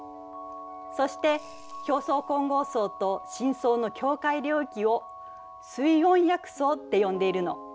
そして表層混合層と深層の境界領域を水温躍層って呼んでいるの。